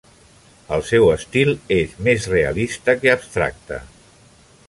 El seu estil és més realista que abstracte.